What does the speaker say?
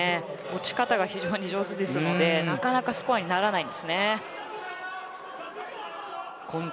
持ち方が非常に上手なのでなかなかスコアになりません。